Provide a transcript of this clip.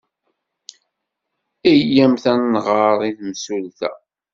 Iyyamt ad nɣer i temsulta.